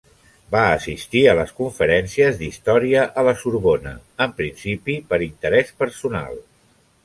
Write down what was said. Va assistir a les conferències d'història a la Sorbona, en principi per interès personal.